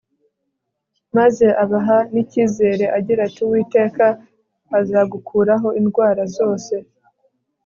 maze abaha nicyizere agira ati Uwiteka azagukuraho indwara zose